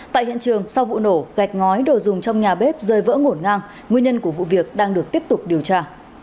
tại hiện trường sau vụ nổ gạch ngói đồ dùng trong nhà bếp rơi vỡ ngổn ngang nguyên nhân của vụ việc đang được tiếp tục điều tra